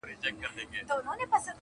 د عُمر زکندن ته شپې یوه- یوه لېږمه-